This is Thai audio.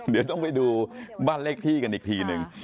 เดี๋ยวต้องไปดูบ้านเลขที่กันอีกทีหนึ่ง